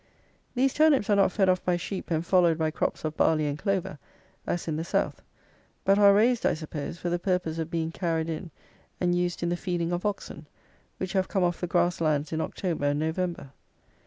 These turnips are not fed off by sheep and followed by crops of barley and clover, as in the South, but are raised, I suppose, for the purpose of being carried in and used in the feeding of oxen, which have come off the grass lands in October and November.